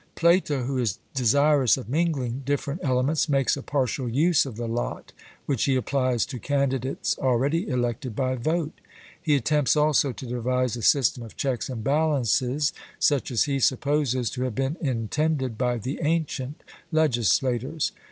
Plato, who is desirous of mingling different elements, makes a partial use of the lot, which he applies to candidates already elected by vote. He attempts also to devise a system of checks and balances such as he supposes to have been intended by the ancient legislators.